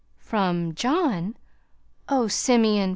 "From John? Oh, Simeon!